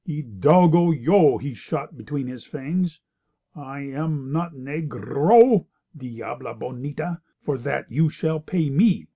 "Hidalgo, Yo!" he shot between his fangs. "I am not neg r ro! Diabla bonita, for that you shall pay me."